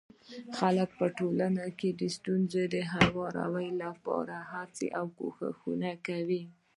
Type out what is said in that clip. خلک په ټولنه کي د ستونزو د هواري لپاره هڅه او کوښښ کوي.